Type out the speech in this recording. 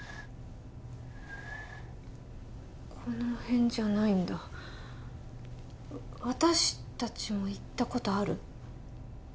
この辺じゃないんだ私たちも行ったことある？